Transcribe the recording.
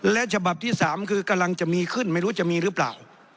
และฉบับที่๓คือกำลังจะมีขึ้นไม่รู้จะมีหรือเปล่า